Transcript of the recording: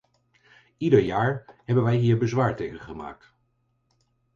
Ieder jaar hebben wij hier bezwaar tegen gemaakt.